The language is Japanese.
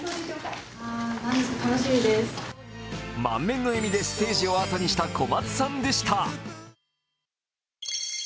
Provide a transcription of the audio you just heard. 満面の笑みでステージを後にした小松さんでした。